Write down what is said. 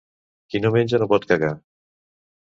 Qui no menja no pot cagar.